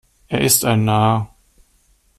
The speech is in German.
Er ist ein Narr.